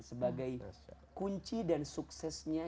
sebagai kunci dan suksesnya